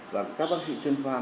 và các bác sĩ chuyên khoa